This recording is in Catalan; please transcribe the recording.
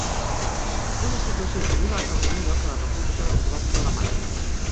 Una situació similar va tenir lloc a la República Democràtica Alemanya.